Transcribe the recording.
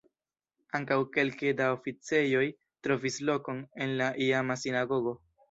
Ankaŭ kelke da oficejoj trovis lokon en la iama sinagogo.